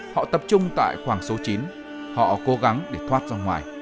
họ tập trung tại khoang số chín họ cố gắng để thoát ra ngoài